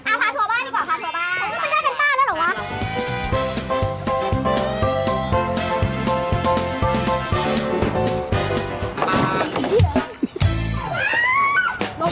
เอาฟาทัวร์บ้านดีกว่าฟาทัวร์บ้าน